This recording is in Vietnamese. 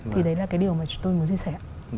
thì đấy là cái điều mà tôi muốn chia sẻ